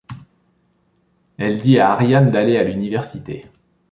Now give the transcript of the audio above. Elle dit à Ariane d'aller à l'université.